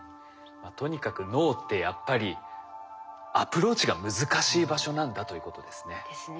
とにかく脳ってやっぱりアプローチが難しい場所なんだということですね。ですね。